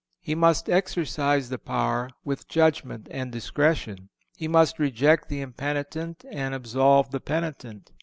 He must exercise the power with judgment and discretion. He must reject the impenitent and absolve the penitent.